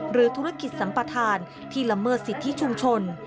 หรือธุรกิจสัมปทานที่ละเมิดสิทธิชุมชน